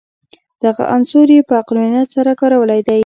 دغه عنصر یې په عقلانیت سره کارولی دی.